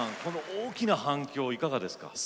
大きな反響はいかがですか？